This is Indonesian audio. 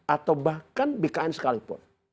atau bahkan bkn sekalipun